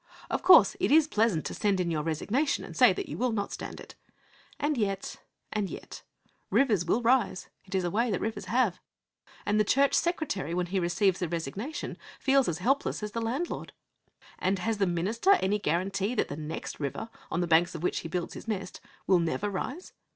Of course, it is pleasant to send in your resignation and say that you will not stand it. And yet, and yet rivers will rise; it is a way that rivers have; and the Church Secretary, when he receives the resignation, feels as helpless as the landlord. And has the minister any guarantee that the next river on the banks of which he builds his nest will never rise?